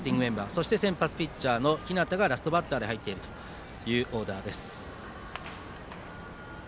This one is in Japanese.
そして先発ピッチャーの日當がラストバッターで入っているというオーダーです。